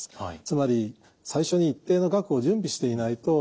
つまり最初に一定の額を準備していないと始まらない。